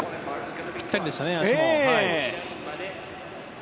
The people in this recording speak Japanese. ぴったりでしたね。